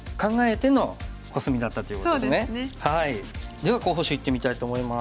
では候補手いってみたいと思います。